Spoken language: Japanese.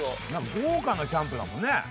豪華なキャンプだもんね。